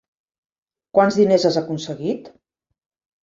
Quants diners has aconseguit?